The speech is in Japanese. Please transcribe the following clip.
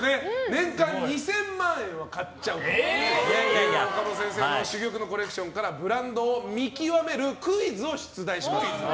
年間２０００万円は買っちゃうという岡本先生の珠玉のコレクションからブランドを見極めるクイズを出題します。